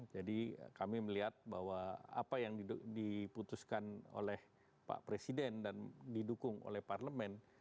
jadi kami melihat bahwa apa yang diputuskan oleh pak presiden dan didukung oleh parlemen